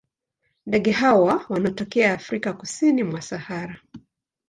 Ndege hawa wanatokea Afrika kusini mwa Sahara.